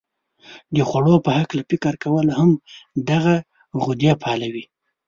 د خوړو په هلکه فکر کول هم دغه غدې فعالوي.